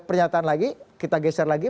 pernyataan lagi kita geser lagi